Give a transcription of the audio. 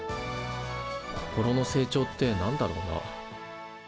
心の成長って何だろうな？